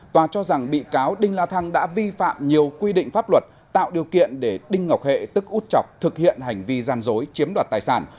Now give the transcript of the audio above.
tòa cho rằng bị cáo đinh la thăng đã vi phạm nhiều quy định pháp luật tạo điều kiện để đinh ngọc hệ tức út chọc thực hiện hành vi gian dối chiếm đoạt tài sản